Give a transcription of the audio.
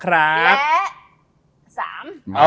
และ๓